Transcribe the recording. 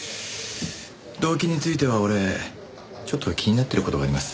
動機については俺ちょっと気になってる事があります。